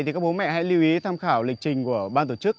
thì các bố mẹ hãy lưu ý tham khảo lịch trình của ban tổ chức